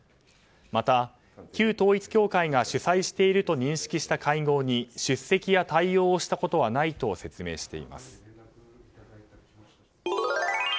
また旧統一教会が主催していると認識した会合に出席や対応をしたことはないと説明しています。